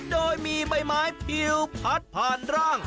โดยมีใบไม้ผิวพัดผ่านร่าง